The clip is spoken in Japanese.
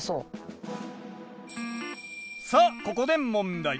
さあここで問題。